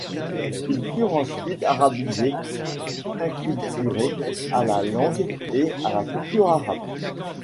Ils furent ensuite arabisés, acculturés à la langue et à la culture arabe.